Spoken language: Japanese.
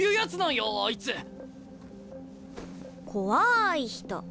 怖い人。